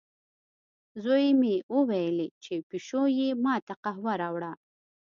زوی مې وویلې، چې پیشو یې ما ته قهوه راوړه.